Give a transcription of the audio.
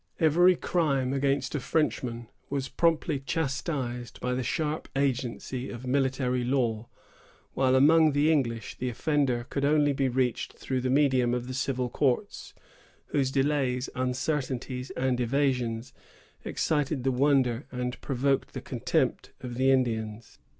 Every crime against a Frenchman was promptly chastised by the sharp agency of military law; while among the English, the offender could only be reached through the medium of the civil courts, whose delays, uncertainties and evasions excited the wonder and provoked the contempt of the Indians.